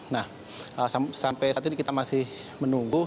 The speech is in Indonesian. nah sampai saat ini kita masih menunggu